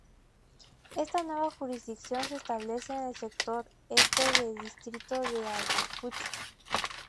Esta nueva jurisdicción se establece en el sector este del Distrito de Ayacucho.